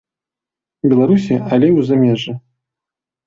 Беларусі, але і ў замежжы.